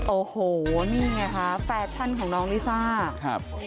โอ้โหนี่ไงคะแฟชั่นของน้องลิซ่าครับ